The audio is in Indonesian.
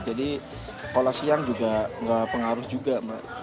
jadi kalau siang juga gak pengaruh juga